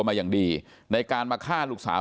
มาอย่างดีในการมาฆ่าลูกสาว